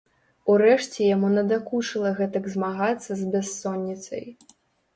Урэшце яму надакучыла гэтак змагацца з бяссонніцай.